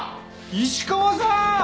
石川さん！